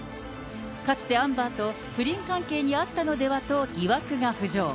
かつてアンバーと不倫関係にあったのではと疑惑が浮上。